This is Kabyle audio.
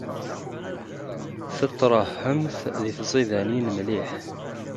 Tettraḥemt d tiẓidanin mliḥ.